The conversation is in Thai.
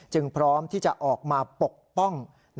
พร้อมที่จะออกมาปกป้อง